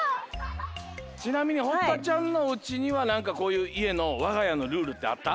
ちなみに堀田ちゃんのおうちにはなんかこういういえのわがやのルールってあった？